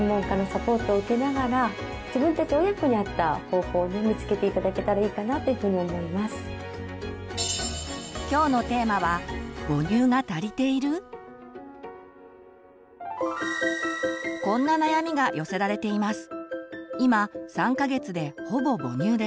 大切なのは今日のテーマはこんな悩みが寄せられています。